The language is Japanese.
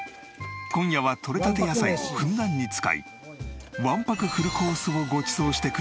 今夜は採れたて野菜をふんだんに使い１泊フルコースをごちそうしてくれるそうです。